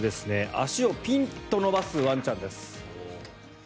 足をピンと伸ばすワンちゃんです。